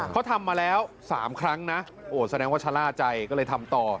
เขาทำมาแล้ว๓ครั้งนะโอ้แสดงว่าชะล่าใจก็เลยทำต่อ